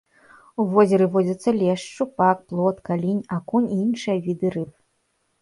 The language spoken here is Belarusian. У возеры водзяцца лешч, шчупак, плотка, лінь, акунь і іншыя віды рыб.